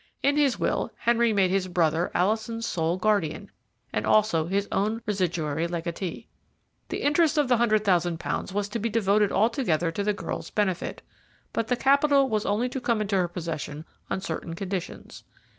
In his will Henry made his brother Alison's sole guardian, and also his own residuary legatee. The interest of the hundred thousand pounds was to be devoted altogether to the girl's benefit, but the capital was only to come into her possession on certain conditions.